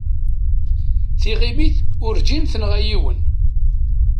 Tiɣimit urǧin tenɣa yiwen.